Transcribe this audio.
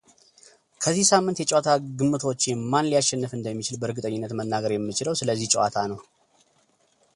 ከዚህ ሳምንት የጨዋታ ግምቶቼ ማን ሊያሸንፍ እንደሚችል በእርግጠኝነት መናገር የምችለው ስለዚህ ጨዋታ ነው።